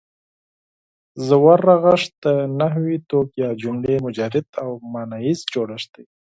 ژور رغښت د نحوي توک یا جملې مجرد او ماناییز جوړښت دی.